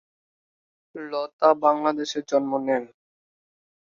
লতা বাংলাদেশে জন্ম নেন।